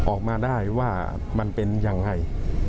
ออกมาได้ว่ามันเป็นยังไง